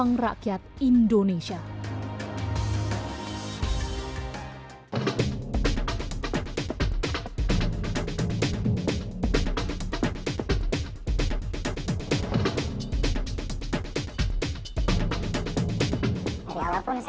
inilah pilihan pnri yang diberikan ke pemerintah indonesia